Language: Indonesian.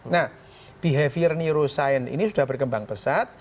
nah behavior neuroscience ini sudah berkembang pesat